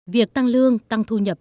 việc tăng lương tăng thu nhập